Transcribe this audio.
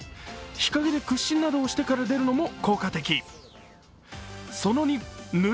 日陰で屈伸などをしてから出るのも効果的。